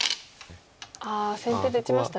先手で打ちましたね。